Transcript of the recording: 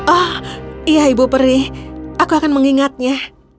oh iya ibu peri aku akan mengingatnya